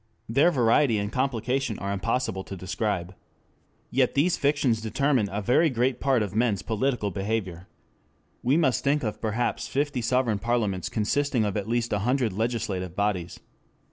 Their variety and complication are impossible to describe. Yet these fictions determine a very great part of men's political behavior. We must think of perhaps fifty sovereign parliaments consisting of at least a hundred legislative bodies.